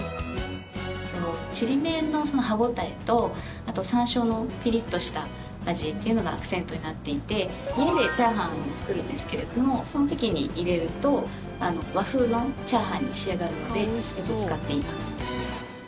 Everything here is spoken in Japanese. ちりめんの歯応えとサンショウのピリッとした味がアクセントになっていて家でチャーハンを作るんですけどその時に入れると和風のチャーハンに仕上がるのでよく使っています。